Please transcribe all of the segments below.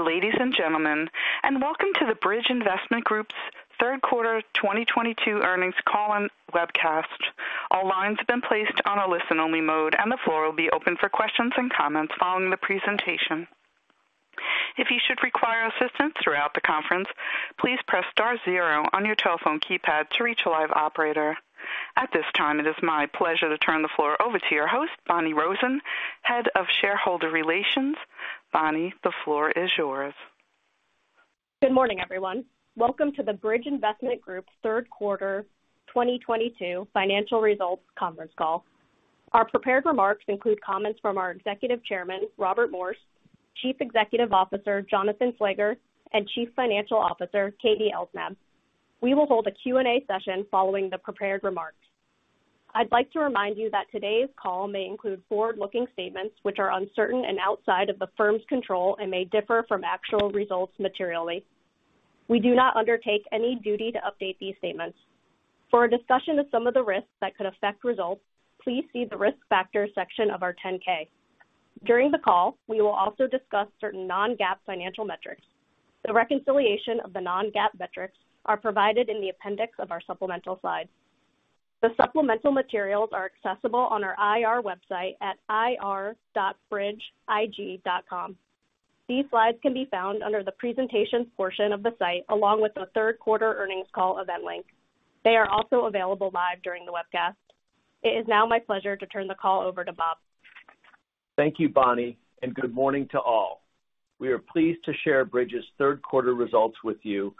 Good day, ladies and gentlemen, and welcome to the Bridge Investment Group's third quarter 2022 earnings call and webcast. All lines have been placed on a listen-only mode, and the floor will be open for questions and comments following the presentation. If you should require assistance throughout the conference, please press star zero on your telephone keypad to reach a live operator. At this time, it is my pleasure to turn the floor over to your host, Bonni Rosen, Head of Shareholder Relations. Bonni, the floor is yours. Good morning, everyone. Welcome to the Bridge Investment Group third quarter 2022 financial results conference call. Our prepared remarks include comments from our Executive Chairman, Robert Morse, Chief Executive Officer, Jonathan Slager, and Chief Financial Officer, Katie Elsnab. We will hold a Q&A session following the prepared remarks. I'd like to remind you that today's call may include forward-looking statements which are uncertain and outside of the firm's control and may differ from actual results materially. We do not undertake any duty to update these statements. For a discussion of some of the risks that could affect results, please see the Risk Factors section of our 10-K. During the call, we will also discuss certain non-GAAP financial metrics. The reconciliation of the non-GAAP metrics are provided in the appendix of our supplemental slides. The supplemental materials are accessible on our IR website at ir.bridgeig.com. These slides can be found under the Presentations portion of the site, along with the third quarter earnings call event link. They are also available live during the webcast. It is now my pleasure to turn the call over to Bob. Thank you, Bonni, and good morning to all. We are pleased to share Bridge's third quarter results with you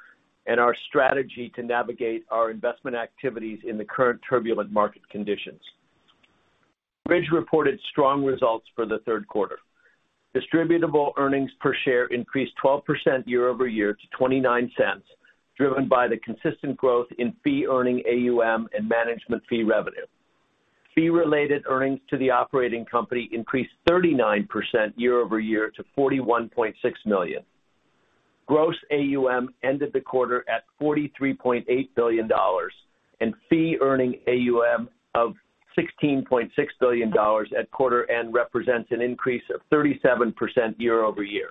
and our strategy to navigate our investment activities in the current turbulent market conditions. Bridge reported strong results for the third quarter. Distributable earnings per share increased 12% year-over-year to $0.29, driven by the consistent growth in Fee-Earning AUM and management fee revenue. Fee-Related Earnings to the operating company increased 39% year-over-year to $41.6 million. Gross AUM ended the quarter at $43.8 billion and Fee-Earning AUM of $16.6 billion at quarter end represents an increase of 37% year-over-year.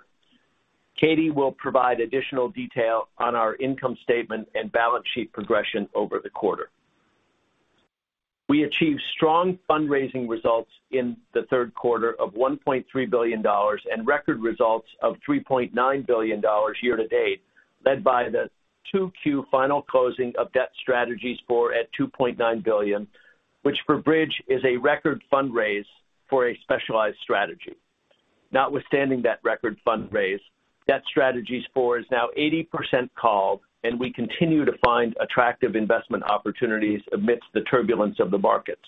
Katie will provide additional detail on our income statement and balance sheet progression over the quarter. We achieved strong fundraising results in the third quarter of $1.3 billion and record results of $3.9 billion year-to-date, led by the 2Q final closing of Debt Strategies IV at $2.9 billion, which for Bridge is a record fundraise for a specialized strategy. Notwithstanding that record fundraise, Debt Strategies IV is now 80% called, and we continue to find attractive investment opportunities amidst the turbulence of the markets.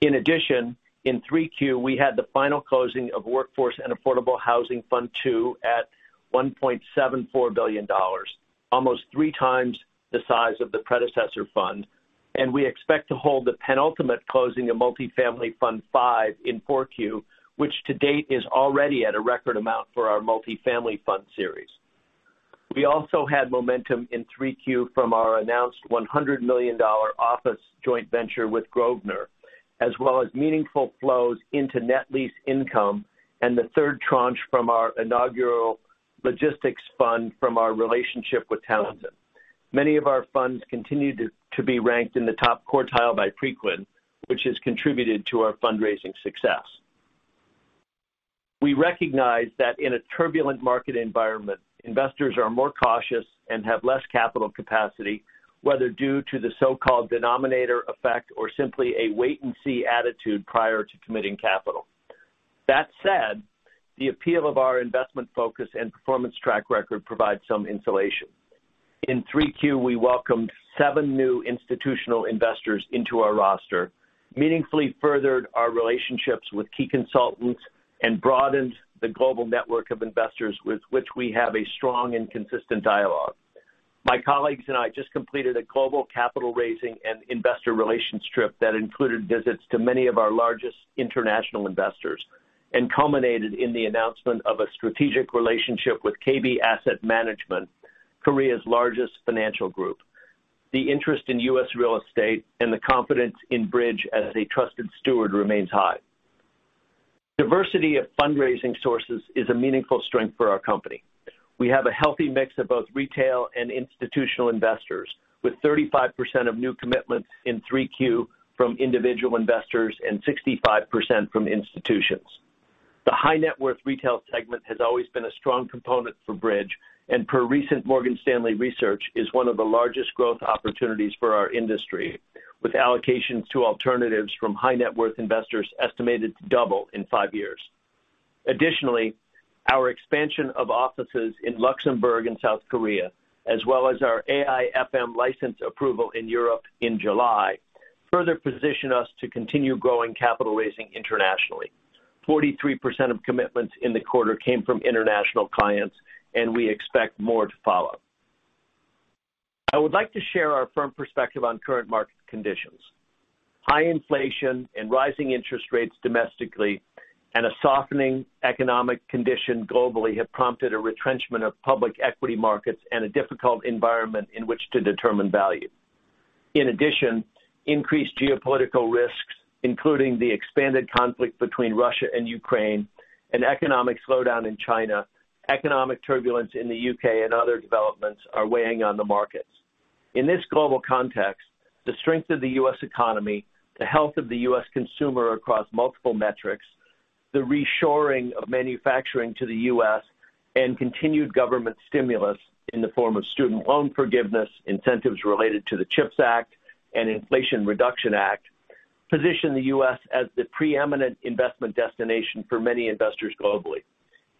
In addition, in 3Q, we had the final closing of Workforce and Affordable Housing Fund II at $1.74 billion, almost three times the size of the predecessor fund. We expect to hold the penultimate closing of Multifamily Fund V in 4Q, which to date is already at a record amount for our Multifamily Fund series. We also had momentum in 3Q from our announced $100 million office joint venture with Grosvenor, as well as meaningful flows into Net Lease Income and the third tranche from our inaugural logistics fund from our relationship with Townsend. Many of our funds continued to be ranked in the top quartile by Preqin, which has contributed to our fundraising success. We recognize that in a turbulent market environment, investors are more cautious and have less capital capacity, whether due to the so-called denominator effect or simply a wait and see attitude prior to committing capital. That said, the appeal of our investment focus and performance track record provides some insulation. In 3Q, we welcomed seven new institutional investors into our roster, meaningfully furthered our relationships with key consultants and broadened the global network of investors with which we have a strong and consistent dialogue. My colleagues and I just completed a global capital raising and investor relations trip that included visits to many of our largest international investors and culminated in the announcement of a strategic relationship with KB Asset Management, Korea's largest financial group. The interest in U.S. real estate and the confidence in Bridge as a trusted steward remains high. Diversity of fundraising sources is a meaningful strength for our company. We have a healthy mix of both retail and institutional investors, with 35% of new commitments in 3Q from individual investors and 65% from institutions. The high net worth retail segment has always been a strong component for Bridge, and per recent Morgan Stanley research is one of the largest growth opportunities for our industry, with allocations to alternatives from high net worth investors estimated to double in five years. Additionally, our expansion of offices in Luxembourg and South Korea, as well as our AIFM license approval in Europe in July, further position us to continue growing capital raising internationally. 43% of commitments in the quarter came from international clients, and we expect more to follow. I would like to share our firm perspective on current market conditions. High inflation and rising interest rates domestically and a softening economic condition globally have prompted a retrenchment of public equity markets and a difficult environment in which to determine value. In addition, increased geopolitical risks, including the expanded conflict between Russia and Ukraine, an economic slowdown in China, economic turbulence in the U.K. and other developments are weighing on the markets. In this global context, the strength of the U.S. economy, the health of the U.S. consumer across multiple metrics, the reshoring of manufacturing to the U.S., and continued government stimulus in the form of student loan forgiveness, incentives related to the CHIPS and Science Act and Inflation Reduction Act, position the U.S. as the preeminent investment destination for many investors globally.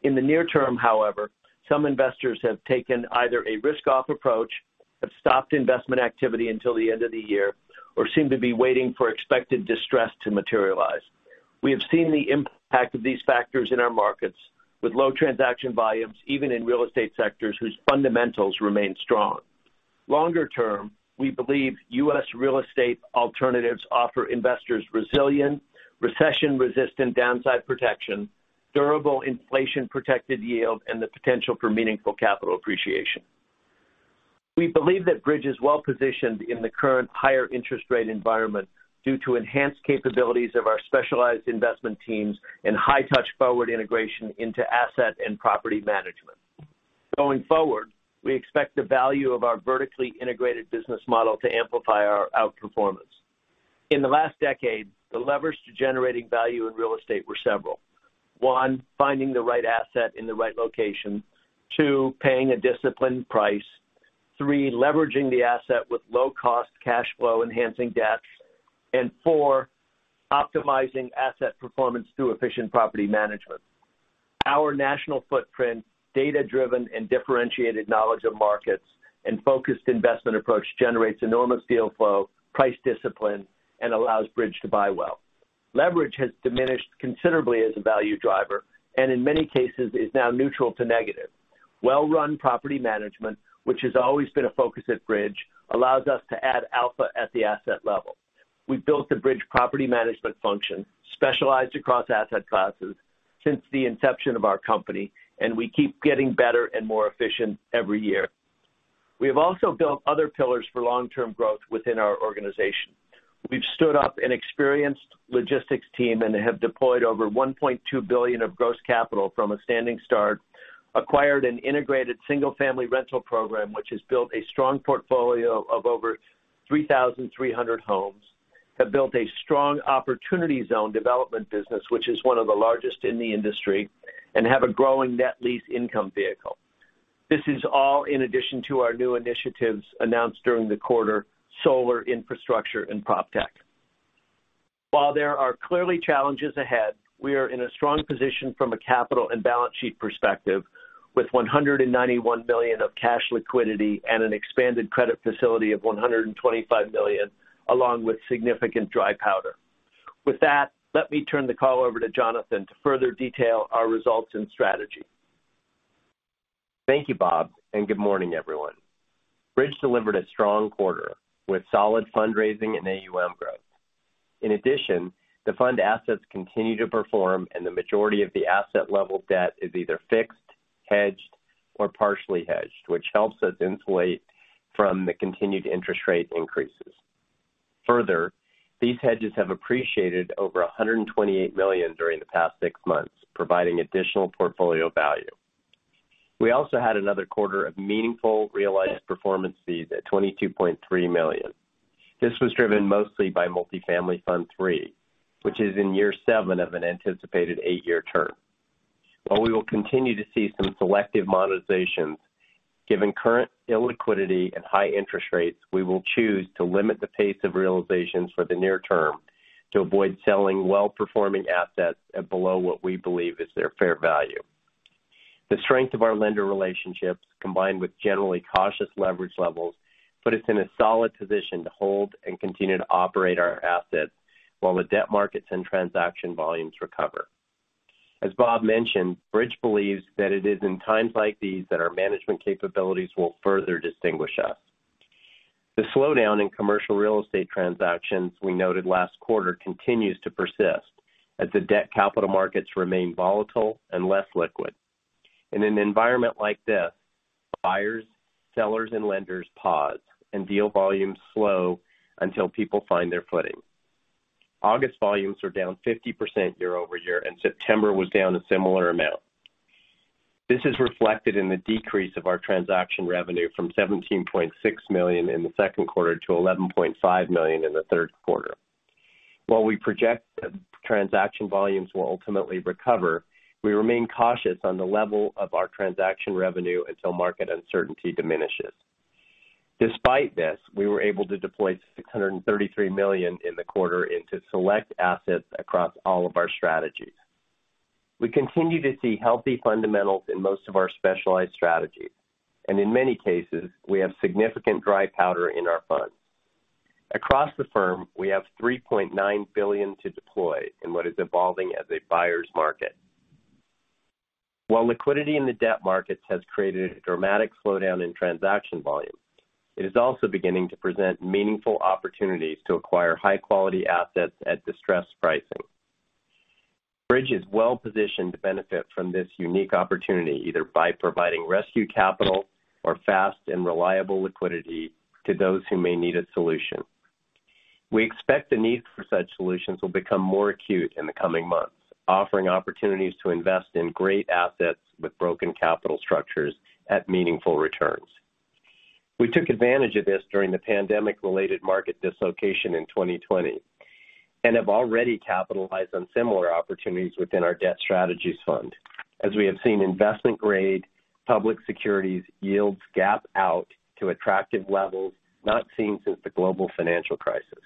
In the near term, however, some investors have taken either a risk-off approach, have stopped investment activity until the end of the year, or seem to be waiting for expected distress to materialize. We have seen the impact of these factors in our markets with low transaction volumes, even in real estate sectors whose fundamentals remain strong. Longer term, we believe U.S. real estate alternatives offer investors resilience, recession-resistant downside protection, durable inflation-protected yield, and the potential for meaningful capital appreciation. We believe that Bridge is well positioned in the current higher interest rate environment due to enhanced capabilities of our specialized investment teams and high touch forward integration into asset and property management. Going forward, we expect the value of our vertically integrated business model to amplify our outperformance. In the last decade, the levers to generating value in real estate were several. One, finding the right asset in the right location. Two, paying a disciplined price. Three, leveraging the asset with low cost cash flow enhancing debt. Four, optimizing asset performance through efficient property management. Our national footprint, data-driven and differentiated knowledge of markets, and focused investment approach generates enormous deal flow, price discipline, and allows Bridge to buy well. Leverage has diminished considerably as a value driver, and in many cases is now neutral to negative. Well-run property management, which has always been a focus at Bridge, allows us to add alpha at the asset level. We built the Bridge property management function, specialized across asset classes since the inception of our company, and we keep getting better and more efficient every year. We have also built other pillars for long-term growth within our organization. We've stood up an experienced logistics team and have deployed over $1.2 billion of gross capital from a standing start, acquired an integrated single family rental program, which has built a strong portfolio of over 3,300 homes, have built a strong opportunity zone development business, which is one of the largest in the industry, and have a growing Net Lease Income vehicle. This is all in addition to our new initiatives announced during the quarter, solar infrastructure and PropTech. While there are clearly challenges ahead, we are in a strong position from a capital and balance sheet perspective, with $191 million of cash liquidity and an expanded credit facility of $125 million, along with significant dry powder. With that, let me turn the call over to Jonathan to further detail our results and strategy. Thank you, Bob, and good morning, everyone. Bridge delivered a strong quarter with solid fundraising and AUM growth. In addition, the fund assets continue to perform and the majority of the asset level debt is either fixed, hedged, or partially hedged, which helps us insulate from the continued interest rate increases. Further, these hedges have appreciated over $128 million during the past six months, providing additional portfolio value. We also had another quarter of meaningful realized performance fees at $22.3 million. This was driven mostly by Bridge Multifamily Fund III, which is in year seven of an anticipated eight-year term. While we will continue to see some selective monetizations, given current illiquidity and high interest rates, we will choose to limit the pace of realizations for the near term to avoid selling well-performing assets at below what we believe is their fair value. The strength of our lender relationships, combined with generally cautious leverage levels, put us in a solid position to hold and continue to operate our assets while the debt markets and transaction volumes recover. As Bob mentioned, Bridge believes that it is in times like these that our management capabilities will further distinguish us. The slowdown in commercial real estate transactions we noted last quarter continues to persist as the debt capital markets remain volatile and less liquid. In an environment like this, buyers, sellers, and lenders pause and deal volumes slow until people find their footing. August volumes are down 50% year-over-year, and September was down a similar amount. This is reflected in the decrease of our transaction revenue from $17.6 million in the second quarter to $11.5 million in the third quarter. While we project that transaction volumes will ultimately recover, we remain cautious on the level of our transaction revenue until market uncertainty diminishes. Despite this, we were able to deploy $633 million in the quarter into select assets across all of our strategies. We continue to see healthy fundamentals in most of our specialized strategies. In many cases, we have significant dry powder in our funds. Across the firm, we have $3.9 billion to deploy in what is evolving as a buyer's market. While liquidity in the debt markets has created a dramatic slowdown in transaction volume, it is also beginning to present meaningful opportunities to acquire high quality assets at distressed pricing. Bridge is well positioned to benefit from this unique opportunity, either by providing rescue capital or fast and reliable liquidity to those who may need a solution. We expect the need for such solutions will become more acute in the coming months, offering opportunities to invest in great assets with broken capital structures at meaningful returns. We took advantage of this during the pandemic-related market dislocation in 2020, and have already capitalized on similar opportunities within our Debt Strategies fund as we have seen investment-grade public securities yields gap out to attractive levels not seen since the global financial crisis.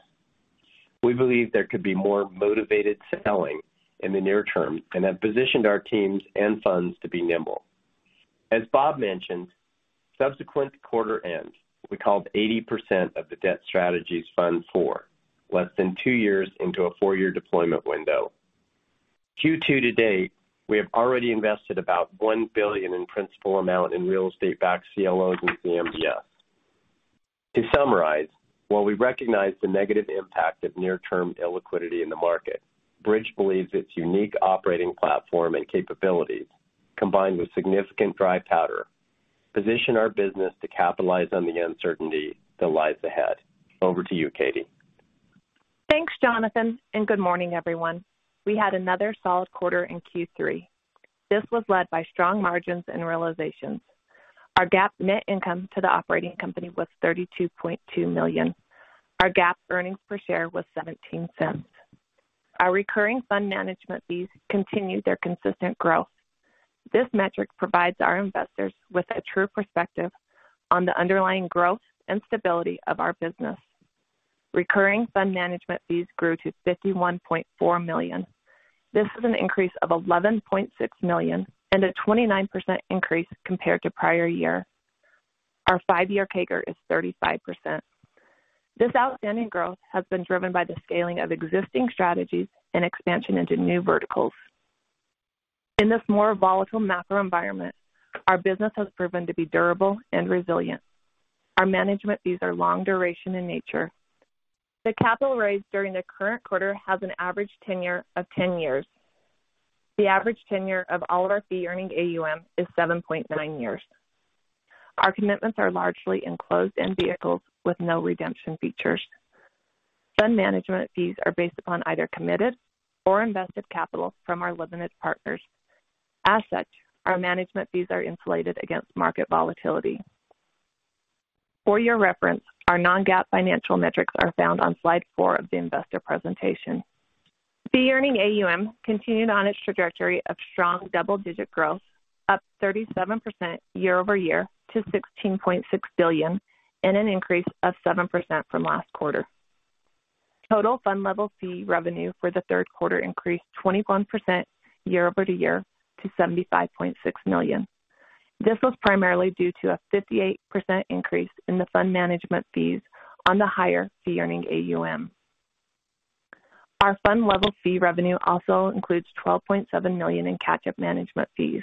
We believe there could be more motivated selling in the near term and have positioned our teams and funds to be nimble. As Bob mentioned, subsequent quarter end, we called 80% of the Debt Strategies fund for less than two years into a four-year deployment window. Q2 to date, we have already invested about $1 billion in principal amount in real estate-backed CLOs and CMBS. To summarize, while we recognize the negative impact of near-term illiquidity in the market, Bridge believes its unique operating platform and capabilities, combined with significant dry powder, position our business to capitalize on the uncertainty that lies ahead. Over to you, Katie. Thanks, Jonathan, and good morning, everyone. We had another solid quarter in Q3. This was led by strong margins and realizations. Our GAAP net income to the operating company was $32.2 million. Our GAAP earnings per share was $0.17. Our recurring fund management fees continued their consistent growth. This metric provides our investors with a true perspective on the underlying growth and stability of our business. Recurring fund management fees grew to $51.4 million. This is an increase of $11.6 million and a 29% increase compared to prior year. Our five-year CAGR is 35%. This outstanding growth has been driven by the scaling of existing strategies and expansion into new verticals. In this more volatile macro environment, our business has proven to be durable and resilient. Our management fees are long duration in nature. The capital raised during the current quarter has an average tenure of 10 years. The average tenure of all of our Fee-Earning AUM is 7.9 years. Our commitments are largely in closed-end vehicles with no redemption features. Fund management fees are based upon either committed or invested capital from our limited partners. As such, our management fees are insulated against market volatility. For your reference, our non-GAAP financial metrics are found on slide four of the investor presentation. Fee-Earning AUM continued on its trajectory of strong double-digit growth, up 37% year-over-year to $16.6 billion and an increase of 7% from last quarter. Total fund level fee revenue for the third quarter increased 21% year-over-year to $75.6 million. This was primarily due to a 58% increase in the fund management fees on the higher Fee-Earning AUM. Our fund level fee revenue also includes $12.7 million in catch-up management fees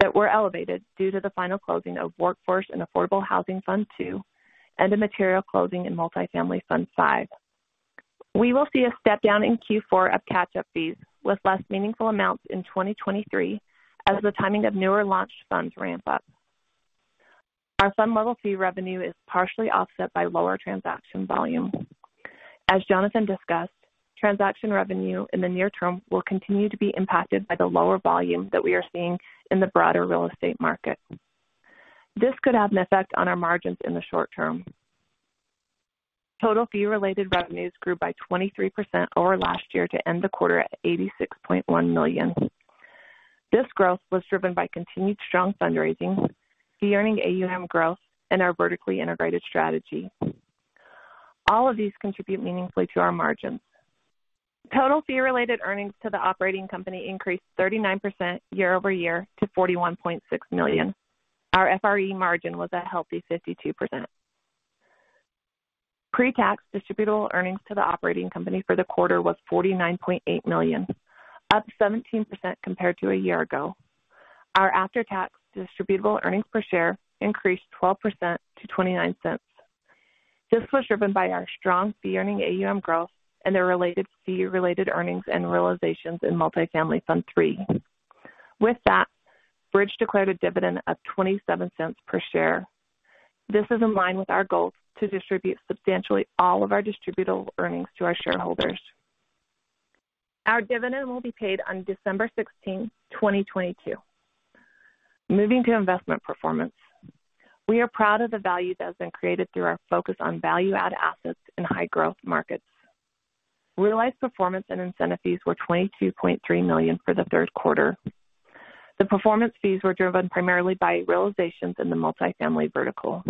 that were elevated due to the final closing of Bridge Workforce and Affordable Housing Fund II and a material closing in Bridge Multifamily Fund V. We will see a step down in Q4 of catch-up fees with less meaningful amounts in 2023 as the timing of newer launch funds ramp up. Our fund level fee revenue is partially offset by lower transaction volume. As Jonathan discussed, transaction revenue in the near term will continue to be impacted by the lower volume that we are seeing in the broader real estate market. This could have an effect on our margins in the short term. Total fee related revenues grew by 23% over last year to end the quarter at $86.1 million. This growth was driven by continued strong fundraising, Fee-Earning AUM growth, and our vertically integrated strategy. All of these contribute meaningfully to our margins. Total fee related earnings to the operating company increased 39% year-over-year to $41.6 million. Our FRE margin was a healthy 52%. Pre-tax distributable earnings to the operating company for the quarter was $49.8 million, up 17% compared to a year ago. Our after-tax distributable earnings per share increased 12% to $0.29. This was driven by our strong Fee-Earning AUM growth and the related fee related earnings and realizations in Multifamily Fund III. With that, Bridge declared a dividend of $0.27 per share. This is in line with our goals to distribute substantially all of our distributable earnings to our shareholders. Our dividend will be paid on December 16th, 2022. Moving to investment performance. We are proud of the value that has been created through our focus on value-add assets in high growth markets. Realized performance and incentive fees were $22.3 million for the third quarter. The performance fees were driven primarily by realizations in the multifamily vertical.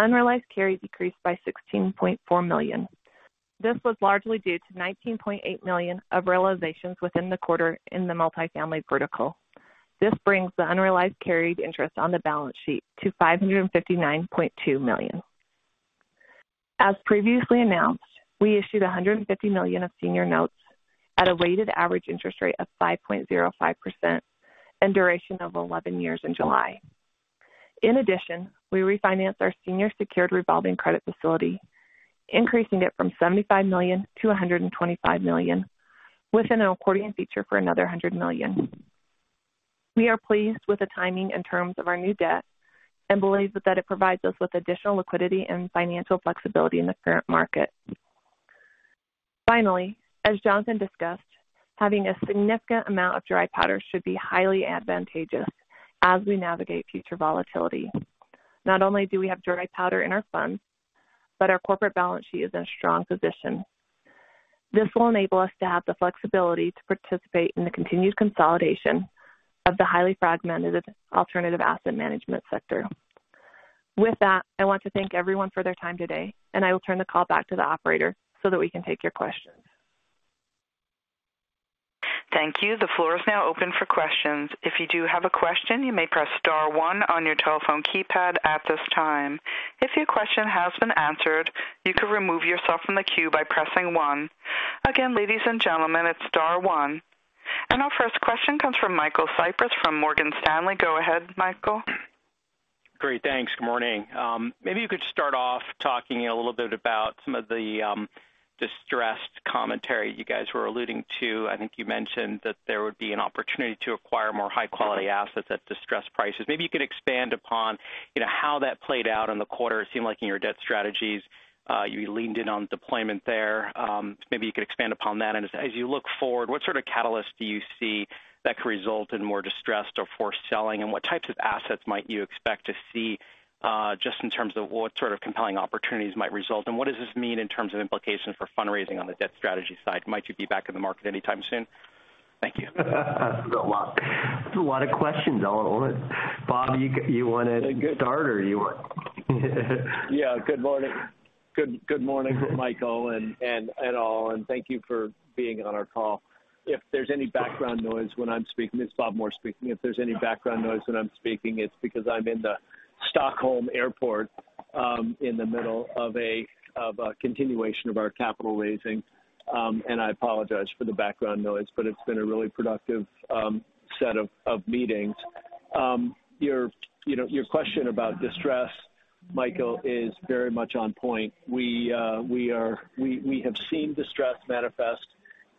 Unrealized carry decreased by $16.4 million. This was largely due to $19.8 million of realizations within the quarter in the multifamily vertical. This brings the unrealized carried interest on the balance sheet to $559.2 million. As previously announced, we issued $150 million of senior notes at a weighted average interest rate of 5.05% and duration of 11 years in July. In addition, we refinanced our senior secured revolving credit facility, increasing it from $75 million to $125 million within an accordion feature for another $100 million. We are pleased with the timing and terms of our new debt and believe that it provides us with additional liquidity and financial flexibility in the current market. Finally, as Jonathan discussed, having a significant amount of dry powder should be highly advantageous as we navigate future volatility. Not only do we have dry powder in our funds, but our corporate balance sheet is in a strong position. This will enable us to have the flexibility to participate in the continued consolidation of the highly fragmented alternative asset management sector. With that, I want to thank everyone for their time today, and I will turn the call back to the operator so that we can take your questions. Thank you. The floor is now open for questions. If you do have a question, you may press star one on your telephone keypad at this time. If your question has been answered, you can remove yourself from the queue by pressing one. Again, ladies and gentlemen, it's star one. Our first question comes from Michael Cyprys from Morgan Stanley. Go ahead, Michael. Great. Thanks. Good morning. Maybe you could start off talking a little bit about some of the distressed commentary you guys were alluding to. I think you mentioned that there would be an opportunity to acquire more high-quality assets at distressed prices. Maybe you could expand upon, you know, how that played out in the quarter. It seemed like in your Debt Strategies, you leaned in on deployment there. Maybe you could expand upon that. And as you look forward, what sort of catalyst do you see that could result in more distressed or forced selling? And what types of assets might you expect to see, just in terms of what sort of compelling opportunities might result? And what does this mean in terms of implications for fundraising on the Debt Strategies side? Might you be back in the market anytime soon? Thank you. That's a lot of questions all in one. Bob, you wanna start or you want... Yeah. Good morning. Good morning, Michael and all, and thank you for being on our call. If there's any background noise when I'm speaking. It's Robert Morse speaking. If there's any background noise when I'm speaking, it's because I'm in the Stockholm Airport, in the middle of a continuation of our capital raising. I apologize for the background noise, but it's been a really productive set of meetings. You know, your question about distress, Michael, is very much on point. We have seen distress manifest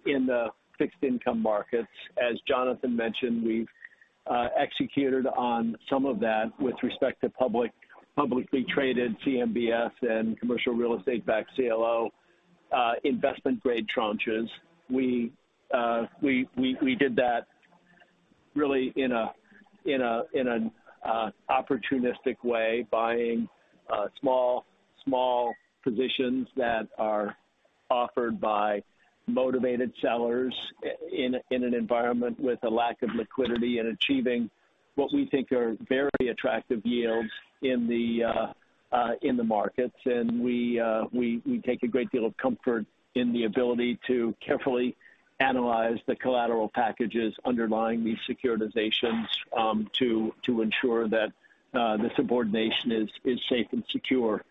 in the fixed income markets. As Jonathan mentioned, we've executed on some of that with respect to publicly traded CMBS and commercial real estate-backed CLO, investment-grade tranches. We did that really in an opportunistic way, buying small positions that are offered by motivated sellers in an environment with a lack of liquidity and achieving what we think are very attractive yields in the markets. We take a great deal of comfort in the ability to carefully analyze the collateral packages underlying these securitizations, to ensure that the subordination is safe and secure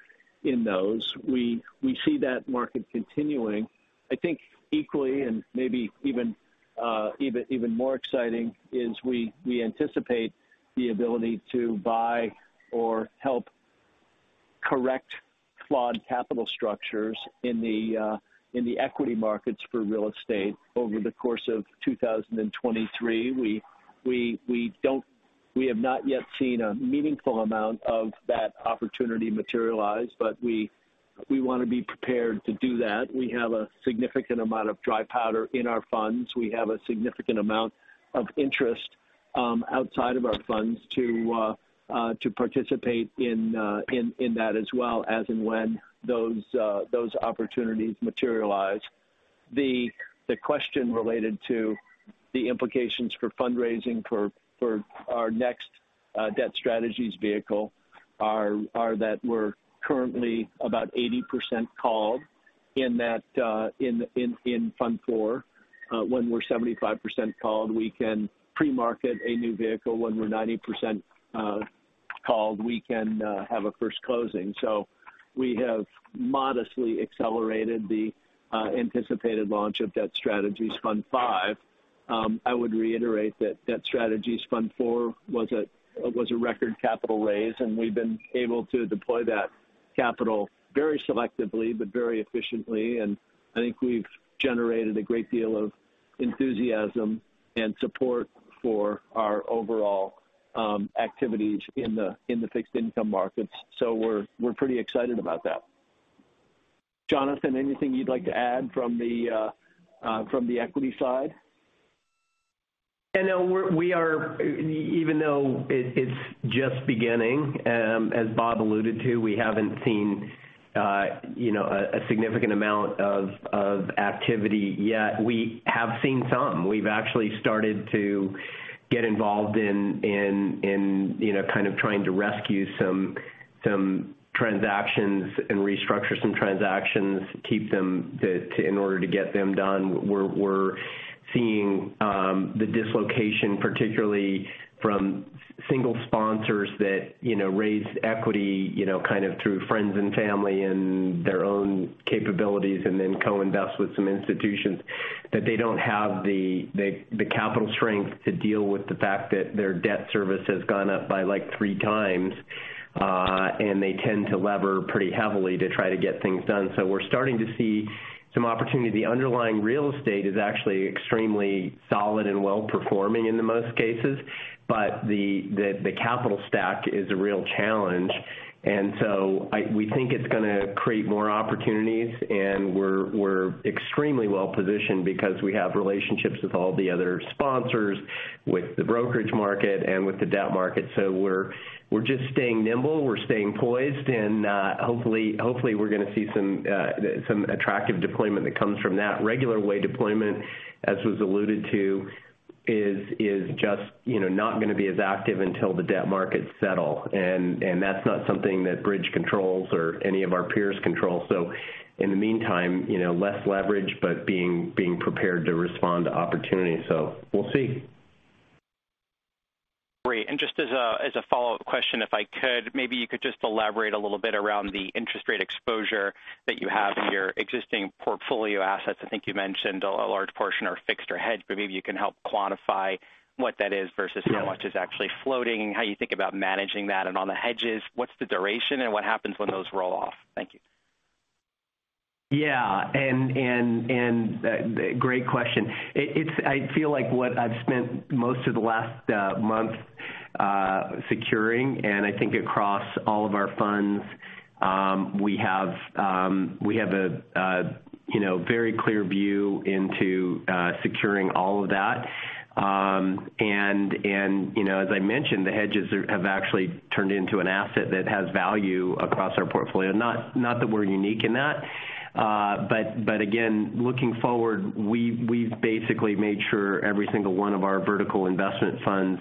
in those. We see that market continuing. I think equally and maybe even more exciting is we anticipate the ability to buy or help correct flawed capital structures in the equity markets for real estate over the course of 2023. We have not yet seen a meaningful amount of that opportunity materialize, but we wanna be prepared to do that. We have a significant amount of dry powder in our funds. We have a significant amount of interest outside of our funds to participate in that as well as in when those opportunities materialize. The question related to the implications for fundraising for our next Debt Strategies vehicle are that we're currently about 80% called in that in Fund IV. When we're 75% called, we can pre-market a new vehicle. When we're 90% called, we can have a first closing. We have modestly accelerated the anticipated launch of Debt Strategies Fund V. I would reiterate that Debt Strategies Fund IV was a record capital raise, and we've been able to deploy that capital very selectively but very efficiently. I think we've generated a great deal of enthusiasm and support for our overall activities in the fixed income markets. We're pretty excited about that. Jonathan, anything you'd like to add from the equity side? Even though it's just beginning, as Bob alluded to, we haven't seen you know a significant amount of activity yet. We have seen some. We've actually started to get involved in you know kind of trying to rescue some transactions and restructure some transactions, keep them in order to get them done. We're seeing the dislocation, particularly from single sponsors that you know raised equity you know kind of through friends and family and their own capabilities, and then co-invest with some institutions. That they don't have the capital strength to deal with the fact that their debt service has gone up by like 3x, and they tend to leverage pretty heavily to try to get things done. We're starting to see some opportunity. The underlying real estate is actually extremely solid and well-performing in most cases, but the capital stack is a real challenge. We think it's gonna create more opportunities, and we're extremely well-positioned because we have relationships with all the other sponsors, with the brokerage market, and with the debt market. We're just staying nimble, we're staying poised, and hopefully we're gonna see some attractive deployment that comes from that. Regular way deployment, as was alluded to, is just, you know, not gonna be as active until the debt markets settle. That's not something that Bridge controls or any of our peers control. In the meantime, you know, less leverage, but being prepared to respond to opportunity. We'll see. Great. Just as a follow-up question, if I could, maybe you could just elaborate a little bit around the interest rate exposure that you have in your existing portfolio assets. I think you mentioned a large portion are fixed or hedged, but maybe you can help quantify what that is versus how much- Yeah. Is actually floating, how you think about managing that. On the hedges, what's the duration and what happens when those roll off? Thank you. Yeah. Great question. I feel like what I've spent most of the last month securing, and I think across all of our funds, we have a you know very clear view into securing all of that. You know, as I mentioned, the hedges have actually turned into an asset that has value across our portfolio. Not that we're unique in that, but again, looking forward, we've basically made sure every single one of our vertical investment funds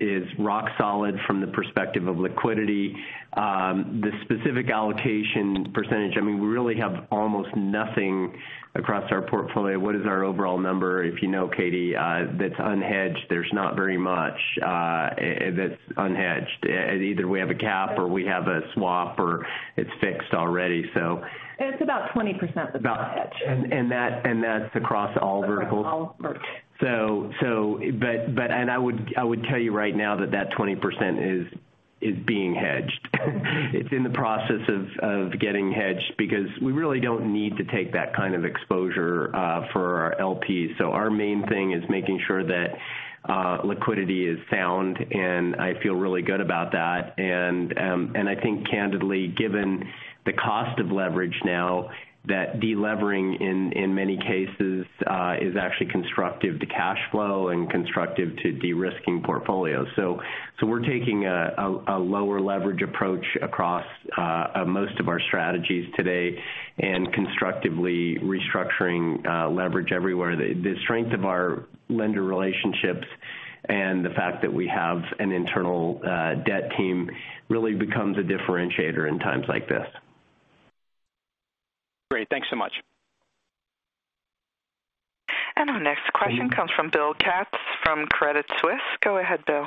is rock solid from the perspective of liquidity. The specific allocation percentage, I mean, we really have almost nothing across our portfolio. What is our overall number, if you know, Katie, that's unhedged? There's not very much that's unhedged. Either we have a cap or we have a swap or it's fixed already. It's about 20% that's unhedged. That's across all verticals? That's across all verticals. I would tell you right now that 20% is being hedged. It's in the process of getting hedged because we really don't need to take that kind of exposure for our LPs. Our main thing is making sure that liquidity is sound, and I feel really good about that. I think candidly, given the cost of leverage now, that de-levering in many cases is actually constructive to cash flow and constructive to de-risking portfolios. We're taking a lower leverage approach across most of our strategies today and constructively restructuring leverage everywhere. The strength of our lender relationships and the fact that we have an internal debt team really becomes a differentiator in times like this. Great. Thanks so much. Our next question comes from Bill Katz from Credit Suisse. Go ahead, Bill.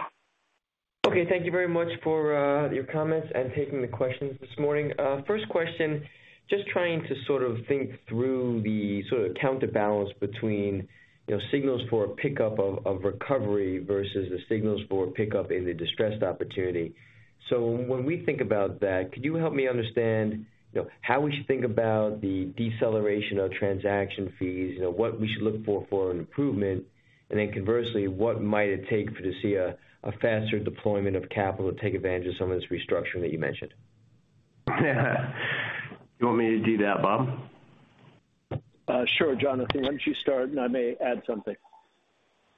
Okay, thank you very much for your comments and taking the questions this morning. First question, just trying to sort of think through the sort of counterbalance between, you know, signals for a pickup of recovery versus the signals for a pickup in the distressed opportunity. When we think about that, could you help me understand, you know, how we should think about the deceleration of transaction fees and what we should look for an improvement? Then conversely, what might it take for to see a faster deployment of capital to take advantage of some of this restructuring that you mentioned? You want me to do that, Bob? Sure, Jonathan, why don't you start, and I may add something.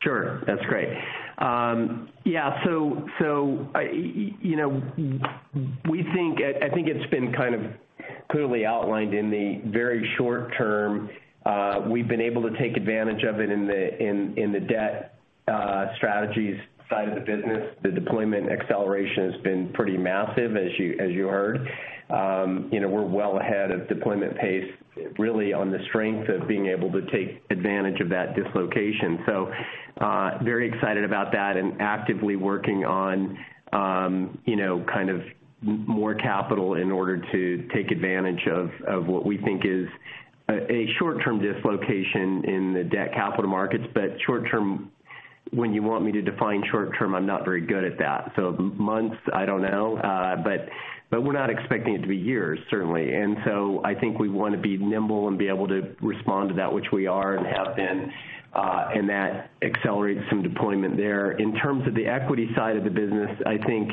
Sure. That's great. We think it's been kind of clearly outlined in the very short term. We've been able to take advantage of it in the Debt Strategies side of the business. The deployment acceleration has been pretty massive as you heard. We're well ahead of deployment pace really on the strength of being able to take advantage of that dislocation. Very excited about that and actively working on more capital in order to take advantage of what we think is a short-term dislocation in the debt capital markets. Short-term. When you want me to define short-term, I'm not very good at that. Months, I don't know. We're not expecting it to be years, certainly. I think we wanna be nimble and be able to respond to that, which we are and have been, and that accelerates some deployment there. In terms of the equity side of the business, I think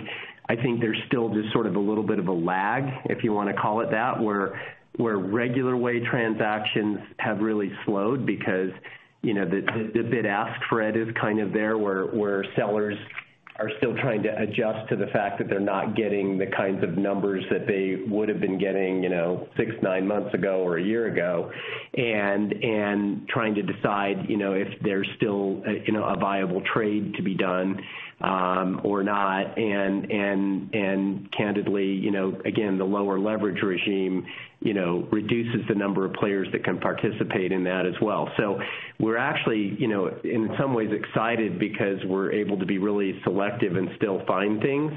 there's still just sort of a little bit of a lag, if you wanna call it that, where regular way transactions have really slowed because, you know, the bid-ask spread is kind of there, where sellers are still trying to adjust to the fact that they're not getting the kinds of numbers that they would have been getting, you know, six, nine months ago or a year ago. And trying to decide, you know, if there's still a, you know, a viable trade to be done, or not. Candidly, you know, again, the lower leverage regime, you know, reduces the number of players that can participate in that as well. We're actually, you know, in some ways excited because we're able to be really selective and still find things.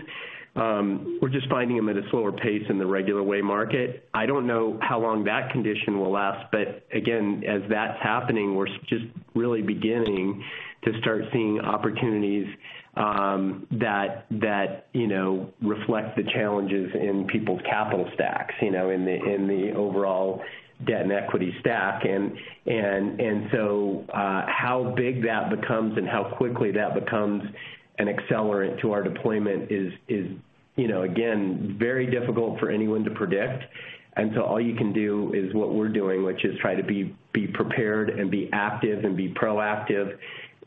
We're just finding them at a slower pace in the regular way market. I don't know how long that condition will last, but again, as that's happening, we're just really beginning to start seeing opportunities, that, you know, reflect the challenges in people's capital stacks, you know, in the overall debt and equity stack. How big that becomes and how quickly that becomes an accelerant to our deployment is, you know, again, very difficult for anyone to predict. All you can do is what we're doing, which is try to be prepared and be active and be proactive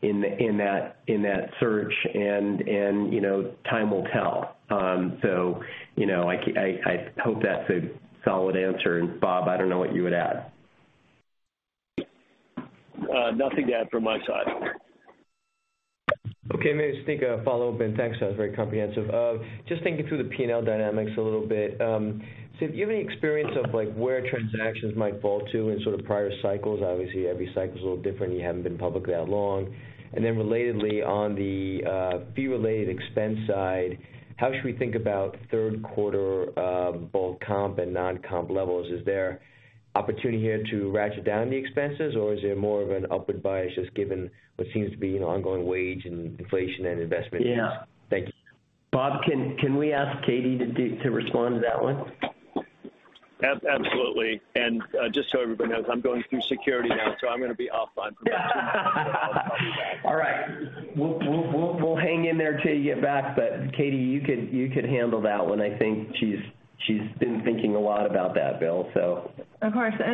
in that search and, you know, time will tell. I hope that's a solid answer. Bob, I don't know what you would add. Nothing to add from my side. Okay. Maybe just take a follow-up, and thanks. That was very comprehensive. Just thinking through the P&L dynamics a little bit. Do you have any experience of, like, where transactions might fall to in sort of prior cycles? Obviously, every cycle is a little different. You haven't been publicly that long. Relatedly, on the fee-related expense side, how should we think about third quarter, both comp and non-comp levels? Is there opportunity here to ratchet down the expenses, or is it more of an upward bias, just given what seems to be an ongoing wage and inflation and investment? Yeah. Thank you. Bob, can we ask Katie to respond to that one? Absolutely. Just so everybody knows, I'm going through security now, so I'm gonna be offline for about two minutes. I'll be back. All right. We'll hang in there till you get back. Katie, you could handle that one. I think she's been thinking a lot about that, Bill, so. Of course. So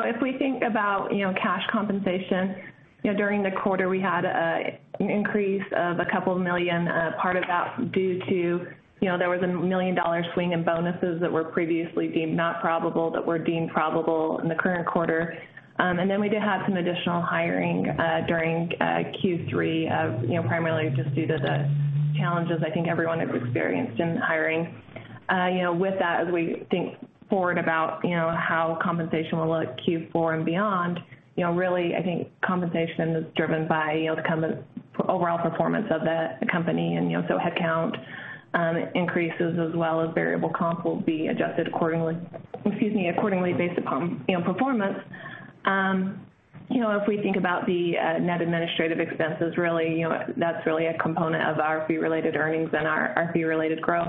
if we think about, you know, cash compensation, you know, during the quarter, we had an increase of a couple million, part of that due to, you know, there was a $1 million swing in bonuses that were previously deemed not probable, that were deemed probable in the current quarter. We did have some additional hiring during Q3, you know, primarily just due to the challenges I think everyone has experienced in hiring. You know, with that, as we think forward about, you know, how compensation will look Q4 and beyond, you know, really, I think compensation is driven by, you know, overall performance of the company. You know, so headcount increases as well as variable comp will be adjusted accordingly based upon, you know, performance. You know, if we think about the net administrative expenses, really, you know, that's really a component of our fee-related earnings and our fee-related growth.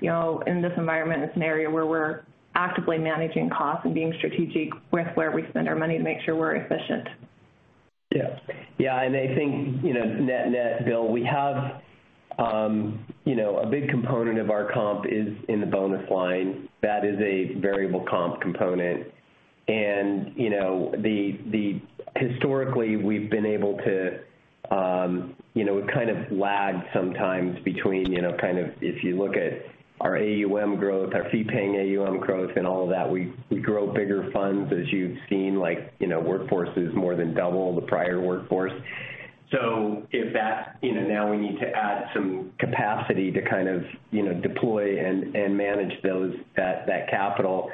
You know, in this environment, it's an area where we're actively managing costs and being strategic with where we spend our money to make sure we're efficient. I think, you know, net-net, Bill, we have a big component of our comp is in the bonus line. That is a variable comp component. You know, historically, we've been able to kind of lag sometimes between, you know, kind of if you look at our AUM growth, our fee-earning AUM growth and all of that, we grow bigger funds, as you've seen, like, you know, Workforce is more than double the prior Workforce. If that's, you know, now we need to add some capacity to kind of, you know, deploy and manage that capital.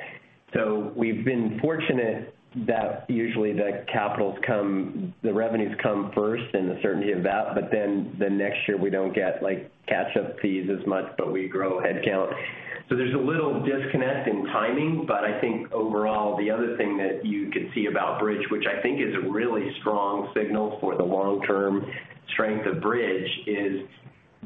We've been fortunate that usually the revenues come first and the certainty of that, but then the next year we don't get like catch-up fees as much, but we grow headcount. There's a little disconnect in timing. I think overall, the other thing that you could see about Bridge, which I think is a really strong signal for the long-term strength of Bridge, is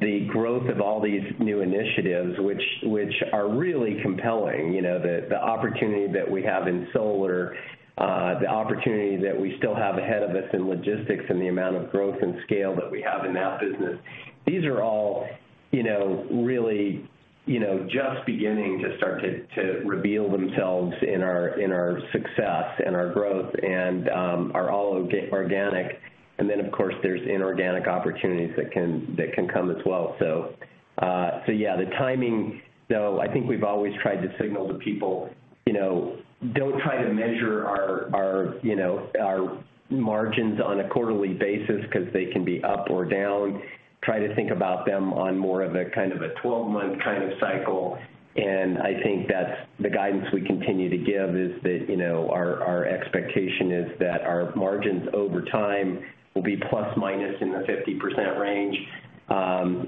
the growth of all these new initiatives, which are really compelling. You know, the opportunity that we have in solar, the opportunity that we still have ahead of us in logistics and the amount of growth and scale that we have in that business. These are all, you know, really, you know, just beginning to start to reveal themselves in our success and our growth and are all organic. Then, of course, there's inorganic opportunities that can come as well. The timing though, I think we've always tried to signal to people, you know, don't try to measure our you know our margins on a quarterly basis 'cause they can be up or down. Try to think about them on more of a kind of a 12-month kind of cycle. I think that's the guidance we continue to give is that, you know, our expectation is that our margins over time will be ± in the 50% range,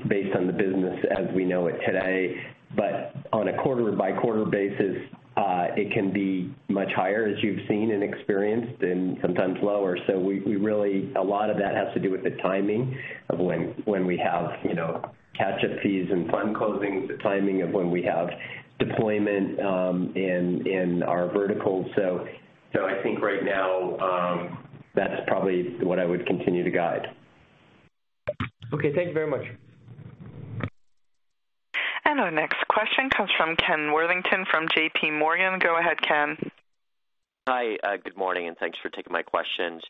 based on the business as we know it today. On a quarter-by-quarter basis, it can be much higher, as you've seen and experienced, and sometimes lower. We really, a lot of that has to do with the timing of when we have, you know, catch-up fees and fund closings, the timing of when we have deployment in our verticals. I think right now, that's probably what I would continue to guide. Okay. Thank you very much. Our next question comes from Ken Worthington from JPMorgan. Go ahead, Ken. Hi. Good morning, and thanks for taking my questions.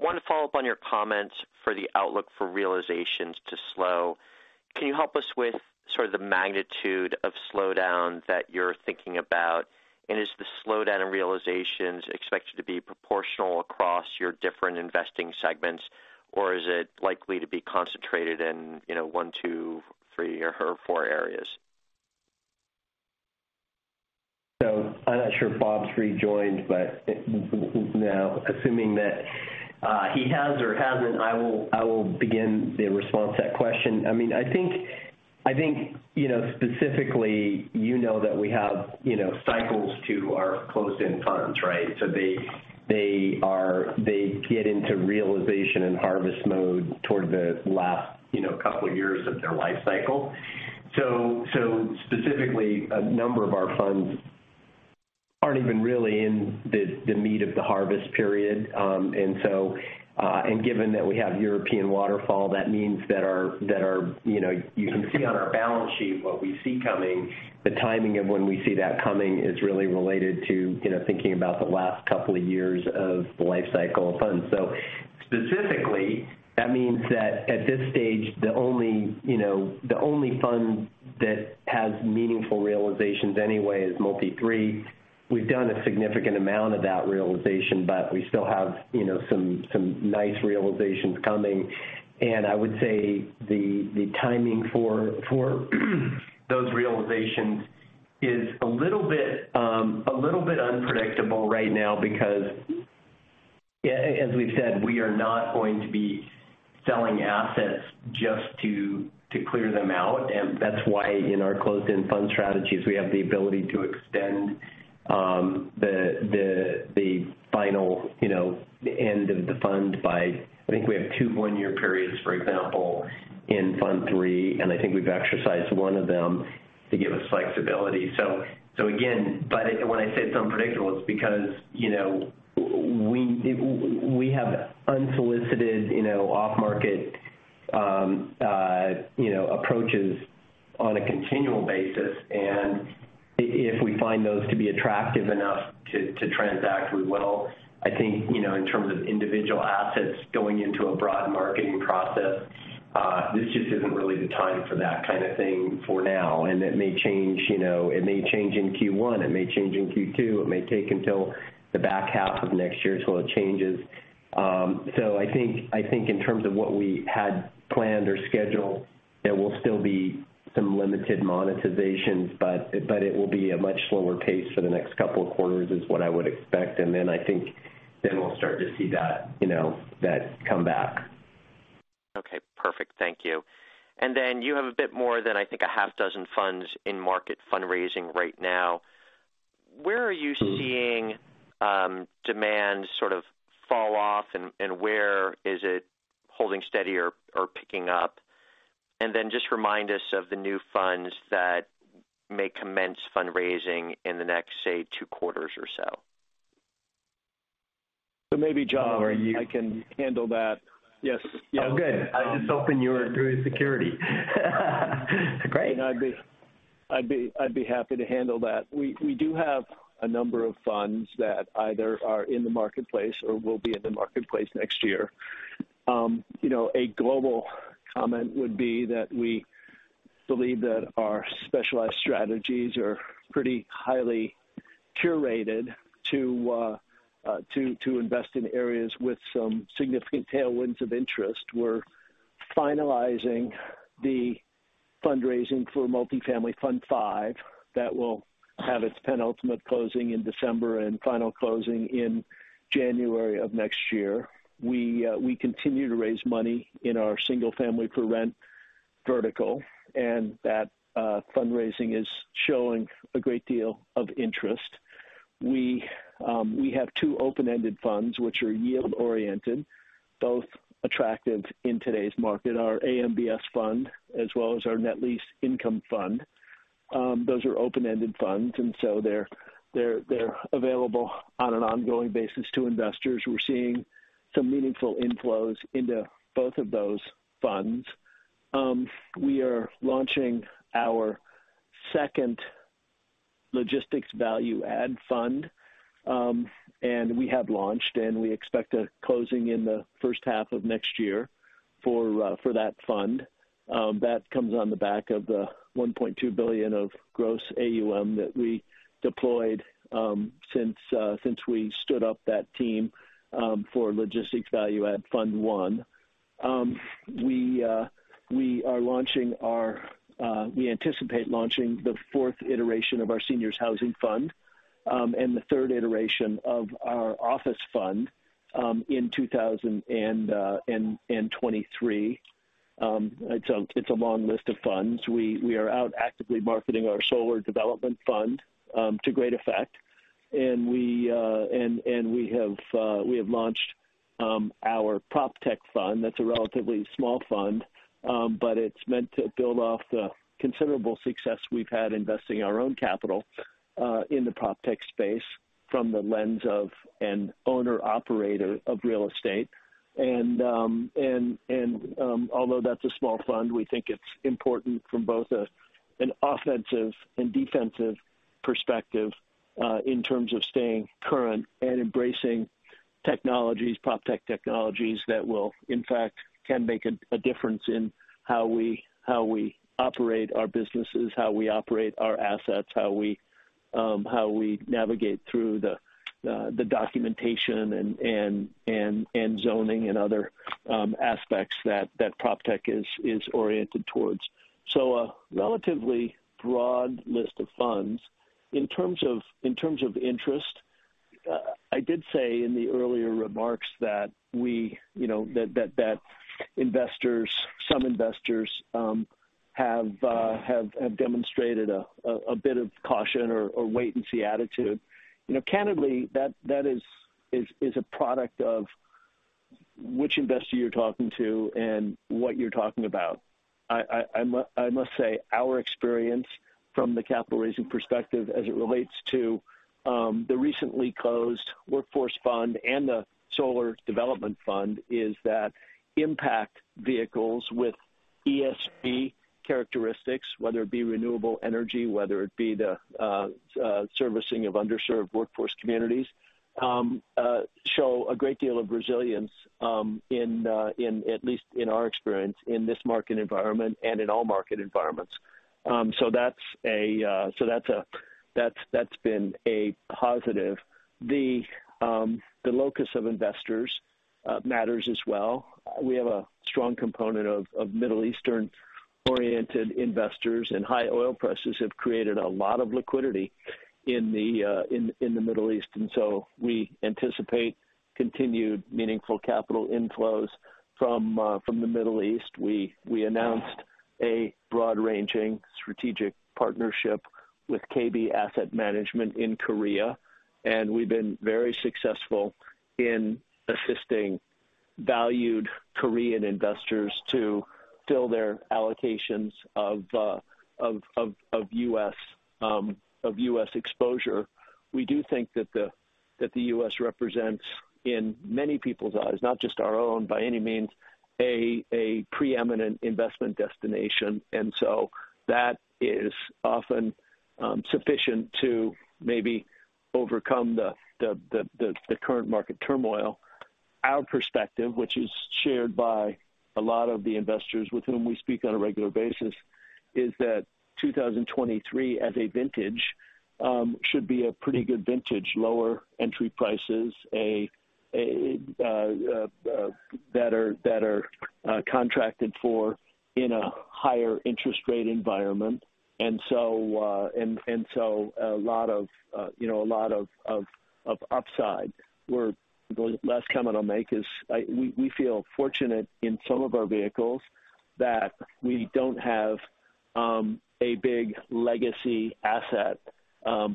Wanted to follow up on your comments for the outlook for realizations to slow. Can you help us with sort of the magnitude of slowdown that you're thinking about? And is the slowdown in realizations expected to be proportional across your different investing segments, or is it likely to be concentrated in, you know, one, two, three or four areas? I'm not sure if Robert's rejoined, but now assuming that he has or hasn't, I will begin the response to that question. I mean, I think you know specifically you know that we have you know cycles to our closed-end funds, right? They get into realization and harvest mode toward the last you know couple of years of their life cycle. Specifically, a number of our funds aren't even really in the meat of the harvest period. Given that we have European waterfall, that means that our you know you can see on our balance sheet what we see coming. The timing of when we see that coming is really related to you know thinking about the last couple of years of the life cycle of funds. Specifically, that means that at this stage, the only fund that has meaningful realizations anyway is Multi-Three. We've done a significant amount of that realization, but we still have, you know, some nice realizations coming. I would say the timing for those realizations is a little bit unpredictable right now because as we've said, we are not going to be selling assets just to clear them out. That's why in our closed-end fund strategies, we have the ability to extend the final, you know, end of the fund by, I think we have two one-year periods, for example, in Fund III, and I think we've exercised one of them to give us flexibility. Again, but when I say it's unpredictable, it's because, you know, we have unsolicited, you know, off-market, you know, approaches on a continual basis. If we find those to be attractive enough to transact, we will. I think, you know, in terms of individual assets going into a broad marketing process, this just isn't really the time for that kind of thing for now. It may change, you know, it may change in Q1, it may change in Q2. It may take until the back half of next year until it changes. I think in terms of what we had planned or scheduled, there will still be some limited monetizations, but it will be a much slower pace for the next couple of quarters, is what I would expect. I think then we'll start to see that, you know, that come back. Okay. Perfect. Thank you. You have a bit more than, I think, a half dozen funds in market fundraising right now. Where are you seeing demand sort of fall off and where is it holding steady or picking up? Just remind us of the new funds that may commence fundraising in the next, say, two quarters or so. Maybe, John, I can handle that. Yes. Oh, good. I was just hoping you were doing security. Great. I'd be happy to handle that. We do have a number of funds that either are in the marketplace or will be in the marketplace next year. You know, a global comment would be that we believe that our specialized strategies are pretty highly curated to invest in areas with some significant tailwinds of interest. We're finalizing the fundraising for Multifamily Fund V that will have its penultimate closing in December and final closing in January of next year. We continue to raise money in our single-family for rent vertical, and that fundraising is showing a great deal of interest. We have two open-ended funds which are yield-oriented, both attractive in today's market, our AMBS fund as well as our Net Lease Income Fund. Those are open-ended funds, and so they're available on an ongoing basis to investors. We're seeing some meaningful inflows into both of those funds. We are launching our second Logistics Value Add Fund, and we expect a closing in the first half of next year for that fund. That comes on the back of the $1.2 billion of gross AUM that we deployed since we stood up that team for Logistics Value Add Fund I. We anticipate launching the fourth iteration of our Seniors Housing Fund and the third iteration of our Office Fund in 2023. It's a long list of funds. We are out actively marketing our Solar Development Fund to great effect. We have launched our PropTech Fund. That's a relatively small fund, but it's meant to build off the considerable success we've had investing our own capital in the PropTech space from the lens of an owner/operator of real estate. Although that's a small fund, we think it's important from both an offensive and defensive perspective in terms of staying current and embracing technologies, PropTech technologies that will in fact can make a difference in how we operate our businesses, how we operate our assets, how we navigate through the documentation and zoning and other aspects that PropTech is oriented towards. A relatively broad list of funds. In terms of interest, I did say in the earlier remarks that investors, some investors, have demonstrated a bit of caution or wait and see attitude. Candidly, that is a product of which investor you're talking to and what you're talking about. I must say our experience from the capital raising perspective as it relates to the recently closed Workforce Fund and the Solar Development Fund is that impact vehicles with ESG characteristics, whether it be renewable energy, whether it be the servicing of underserved workforce communities, show a great deal of resilience, at least in our experience in this market environment and in all market environments. That's been a positive. The locus of investors matters as well. We have a strong component of Middle Eastern-oriented investors, and high oil prices have created a lot of liquidity in the Middle East. We anticipate continued meaningful capital inflows from the Middle East. We announced a broad-ranging strategic partnership with KB Asset Management in Korea, and we've been very successful in assisting valued Korean investors to fill their allocations of U.S. exposure. We do think that the U.S. represents, in many people's eyes, not just our own by any means, a preeminent investment destination. That is often sufficient to maybe overcome the current market turmoil. Our perspective, which is shared by a lot of the investors with whom we speak on a regular basis, is that 2023 as a vintage should be a pretty good vintage. Lower entry prices that are contracted for in a higher interest rate environment. A lot of, you know, upside. The last comment I'll make is we feel fortunate in some of our vehicles that we don't have a big legacy asset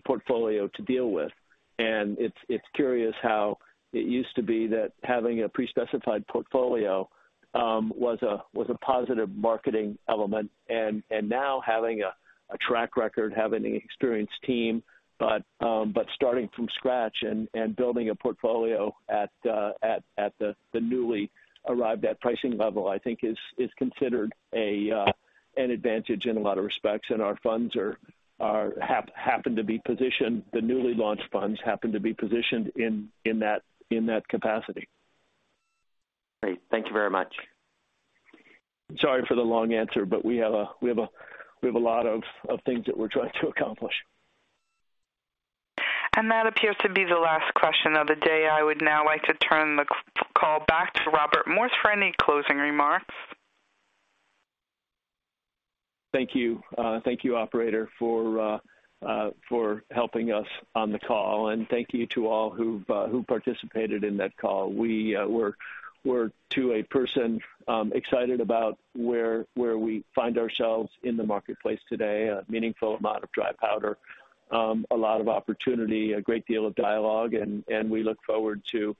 portfolio to deal with. It's curious how it used to be that having a pre-specified portfolio was a positive marketing element. Now having a track record, having an experienced team, but starting from scratch and building a portfolio at the newly arrived at pricing level, I think is considered an advantage in a lot of respects. Our funds happen to be positioned. The newly launched funds happen to be positioned in that capacity. Great. Thank you very much. Sorry for the long answer, but we have a lot of things that we're trying to accomplish. That appears to be the last question of the day. I would now like to turn the call back to Robert Morse for any closing remarks. Thank you. Thank you, operator, for helping us on the call, and thank you to all who participated in that call. We're to a person excited about where we find ourselves in the marketplace today. A meaningful amount of dry powder, a lot of opportunity, a great deal of dialogue, and we look forward to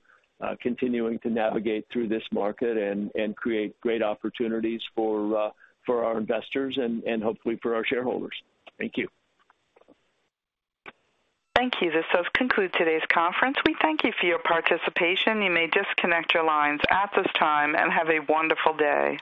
continuing to navigate through this market and create great opportunities for our investors and hopefully for our shareholders. Thank you. Thank you. This does conclude today's conference. We thank you for your participation. You may disconnect your lines at this time and have a wonderful day.